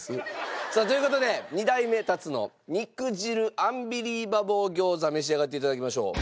さあという事で二代目ＴＡＴＳＵの肉汁アンビリーバボー餃子召し上がって頂きましょう。